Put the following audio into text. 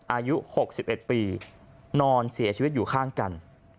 อายุ๖๑ปีนอนเสียชีวิตอยู่ข้างกัน